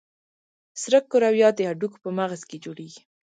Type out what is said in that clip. سره کرویات د هډوکو په مغز کې جوړېږي.